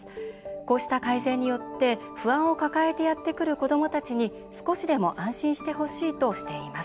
こうした改善によって不安を抱えてやってくる子どもたちに少しでも安心してほしいとしています。